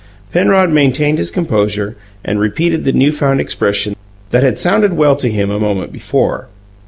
Penrod maintained his composure and repeated the newfound expression that had sounded well to him a moment before.